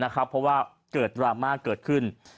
เพราะว่าเกิดดราม่าเกิดขึ้น